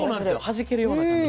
はじけるような感じ。